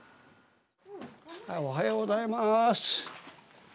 おはようございます。